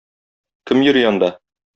Кем йөри анда?